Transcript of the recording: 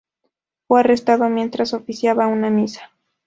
Fue arrestado mientras oficiaba una misa.